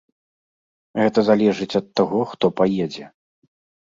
Гэта залежыць ад таго, хто паедзе.